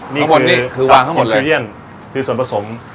นี่คือส่วนผสม